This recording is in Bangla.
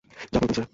যা বলবেন স্যার।